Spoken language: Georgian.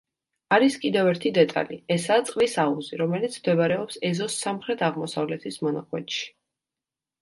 არის კიდევ ერთი დეტალი, ესაა წყლის აუზი, რომელიც მდებარეობს ეზოს სამხრეთ-აღმოსავლეთის მონაკვეთში.